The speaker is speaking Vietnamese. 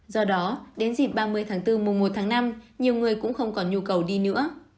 do đó đến dịp ba mươi tháng bốn mùa một tháng năm nhiều người cũng không còn nhu cầu đi nữa